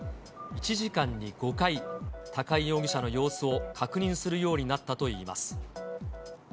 １時間に５回、高井容疑者の様子を確認するようになったといいます。